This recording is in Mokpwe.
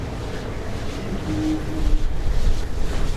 Íhwǃúúhwí.